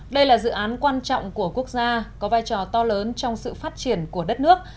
đây là dự án quan trọng của quốc gia có vai trò to lớn trong sự phát triển của đất nước